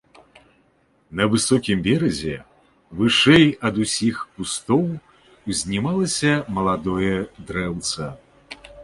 На высокім беразе вышэй ад усіх кустоў узнімалася маладое дрэўца.